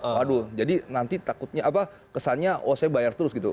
waduh jadi nanti takutnya apa kesannya oh saya bayar terus gitu